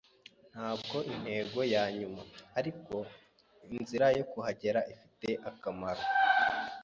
Ntabwo intego yanyuma, ariko inzira yo kuhagera ifite akamaro.